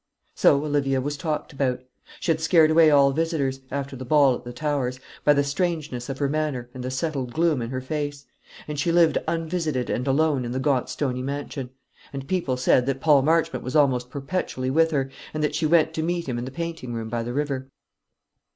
So Olivia was talked about. She had scared away all visitors, after the ball at the Towers, by the strangeness of her manner and the settled gloom in her face; and she lived unvisited and alone in the gaunt stony mansion; and people said that Paul Marchmont was almost perpetually with her, and that she went to meet him in the painting room by the river.